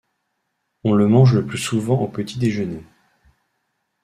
On le mange le plus souvent au petit déjeuner.